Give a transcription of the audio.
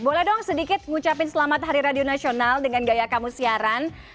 boleh dong sedikit ngucapin selamat hari radio nasional dengan gaya kamu siaran